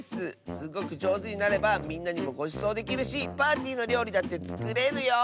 すっごくじょうずになればみんなにもごちそうできるしパーティーのりょうりだってつくれるよ！